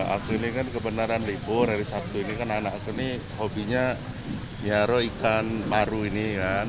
aku ini kan kebenaran libur hari sabtu ini kan anak aku ini hobinya nyaro ikan maru ini kan